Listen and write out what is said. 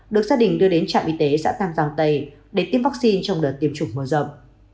được gia đình đưa đến trạm y tế xã tam giang tây để tiêm vaccine trong đợt tiêm chủng mở rộng